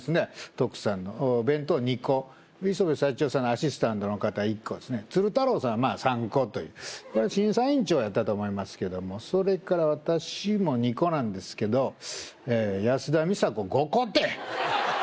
徳さんの弁当２個磯部さちよさんのアシスタントの方１個ですね鶴太郎さんまあ３個というこれ審査委員長やったと思いますけどもそれから私も２個なんですけどえー安田美沙子５個て！